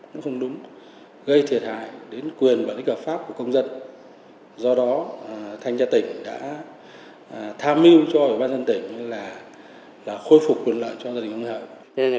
nó không đúng gây thiệt hại đến quyền và lý cờ pháp của công dân do đó thanh gia tỉnh đã tham mưu cho ủy ban nhân tỉnh là khôi phục quyền lợi cho gia đình ông vũ văn hợi